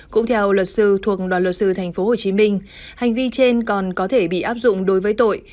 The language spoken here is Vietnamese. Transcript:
cũng theo luật sư thuộc đoàn luật sư tp hcm hành vi trên còn có thể bị áp dụng đối với tội